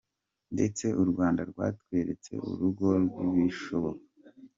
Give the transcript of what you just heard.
ndetse u Rwanda rwatweretse urugero rw’ibishoboka.